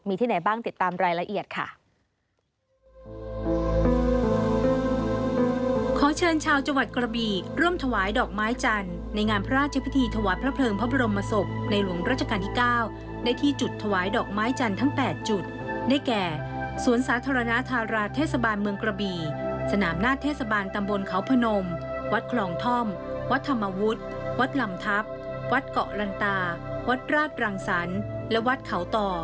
มีที่ไหนบ้างติดตามรายละเอียดค่ะ